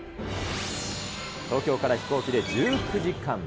東京から飛行機で１９時間。